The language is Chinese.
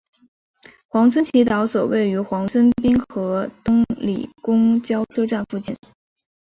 黄村祈祷所位于黄村滨河东里公交站附近。